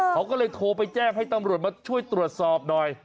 เขาก็เลยโทรไปแจ้งให้ตำรวจมาช่วยตรวจสอบหน่อย